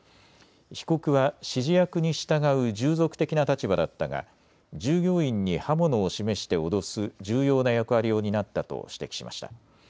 被告は指示役に従う従属的な立場だったが従業員に刃物を示して脅す重要な役割を担ったと指摘しました。